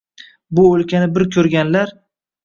Bu o‘lkani bir ko‘rganlar